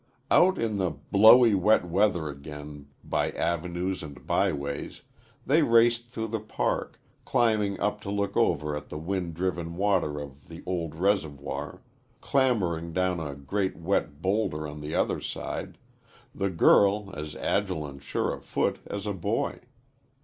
Out in the blowy wet weather again, by avenues and by ways, they raced through the Park, climbing up to look over at the wind driven water of the old reservoir, clambering down a great wet bowlder on the other side the girl as agile and sure of foot as a boy.